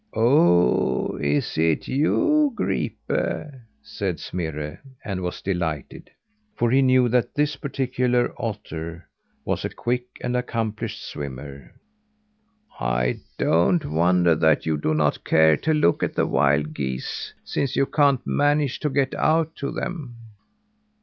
"Oh! is it you, Gripe?" said Smirre, and was delighted; for he knew that this particular otter was a quick and accomplished swimmer. "I don't wonder that you do not care to look at the wild geese, since you can't manage to get out to them."